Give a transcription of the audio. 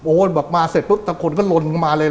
โอ๋นบอกมาเสร็จครึ๊ดลุ๊บตะโคลก็รนะกันมาเลย